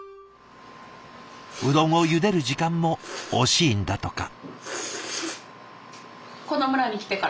うどんをゆでる時間も惜しいんだとか。